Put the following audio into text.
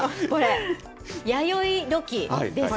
これ、弥生土器です。